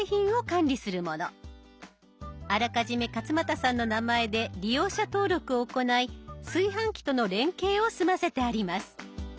あらかじめ勝俣さんの名前で利用者登録を行い炊飯器との連携を済ませてあります。